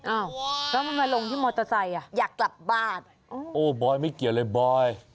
อ้าวแล้วมันมาลงที่มอเตอร์ไซค์อ่ะอยากกลับบ้านโอ้บอยไม่เกี่ยวเลยบอย